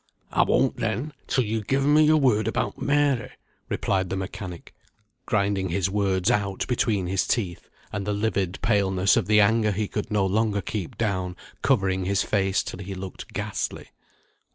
"I won't, then, till you've given me your word about Mary," replied the mechanic, grinding his words out between his teeth, and the livid paleness of the anger he could no longer keep down covering his face till he looked ghastly.